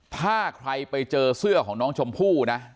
ถ้าใครไปเจอเสื้อของน้องชมพู่นะ